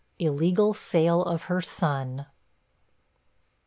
ILLEGAL SALE OF HER SON.